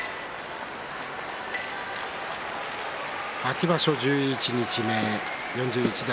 秋場所十一日目４１代